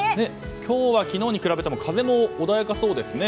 今日は昨日に比べても風が穏やかそうですね。